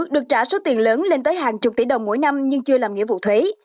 được trả số tiền lớn lên tới hàng chục tỷ đồng mỗi năm nhưng chưa làm nghĩa vụ thuế